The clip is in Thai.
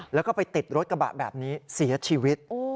แล้วก็ไปติดรถกระบะแบบนี้เสียชีวิต